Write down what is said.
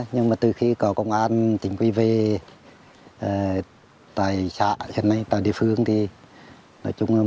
nhưng từ khi có công an chính quy về tài xã tài địa phương